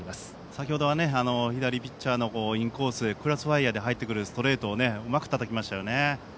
先ほどは左ピッチャーのインコースへクロスファイアーで入ってくるストレートをうまくたたきましたよね。